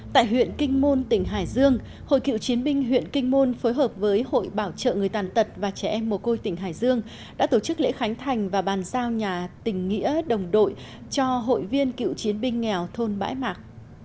tại huyện kinh môn tỉnh hải dương hội cựu chiến binh huyện kinh môn phối hợp với hội bảo trợ người tàn tật và trẻ em mồ côi tỉnh hải dương đã tổ chức lễ khánh thành và bàn giao nhà tình nghĩa đồng đội cho hội viên cựu chiến binh nghèo thôn bãi mạc